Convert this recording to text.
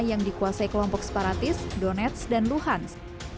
yang dikuasai kelompok separatis donetsk dan luhansk